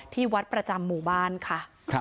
ที่วัดประจำหมู่บ้านค่ะ